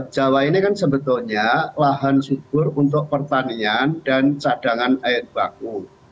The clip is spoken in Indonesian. jawa ini kan sebetulnya lahan subur untuk pertanian dan cadangan air baku